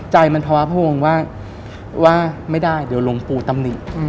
ใจมันภาวะพบวงว่าว่าไม่ได้เดี๋ยวหลวงปู่ตำนิอืม